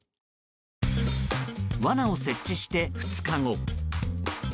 わなを設置して２日後。